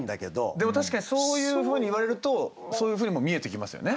でも確かにそういうふうに言われるとそういうふうにも見えてきますよね。